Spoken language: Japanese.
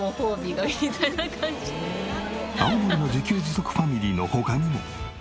青森の自給自足ファミリーの他にも。